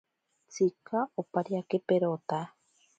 Tsika opariake perota.